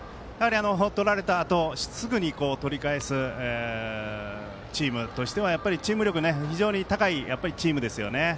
とられたあと、すぐに取り返すチームとしてはチーム力、非常に高いチームです。